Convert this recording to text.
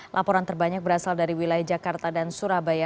laporan terbanyak berasal dari wilayah jakarta dan surabaya